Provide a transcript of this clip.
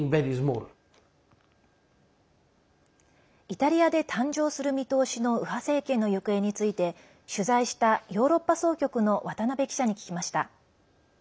イタリアで誕生する見通しの右派政権の行方について取材したヨーロッパ総局の渡辺記者に聞きました。